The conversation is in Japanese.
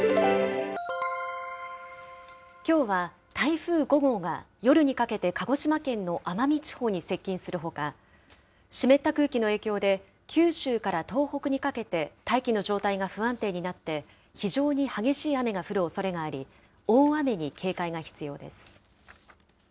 きょうは、台風５号が、夜にかけて鹿児島県の奄美地方に接近するほか、湿った空気の影響で、九州から東北にかけて、大気の状態が不安定になって、非常に激しい雨が降るおそれがあり、大雨に警戒が必要です。